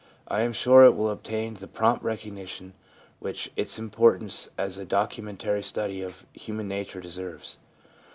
I am sure it will obtain the prompt recognition which its importance as a documentary study of human nature deserves.